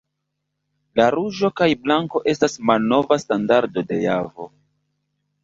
La ruĝo kaj blanko estas malnova standardo de Javo.